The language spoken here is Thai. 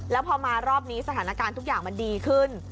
แล้วพอมารอบนี้สถานการณ์ทุกอย่างมันดีขึ้น